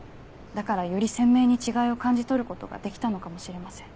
だからより鮮明に違いを感じ取ることができたのかもしれません。